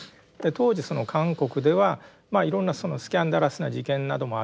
当時その韓国ではいろんなスキャンダラスな事件などもあったりしてですね